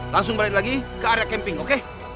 langsung balik lagi ke area camping oke